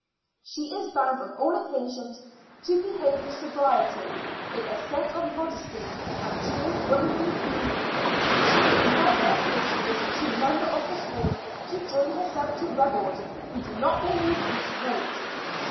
She is bound on all occasions to behave with sobriety, with a sense of modesty and true womanly feeling; she is never, if she is a true member of the school, to join herself to rebels who do not believe in its rules.